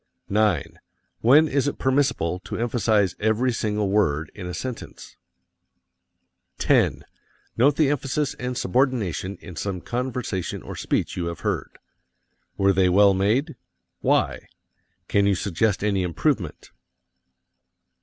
9. When is it permissible to emphasize every single word in a sentence? 10. Note the emphasis and subordination in some conversation or speech you have heard. Were they well made? Why? Can you suggest any improvement?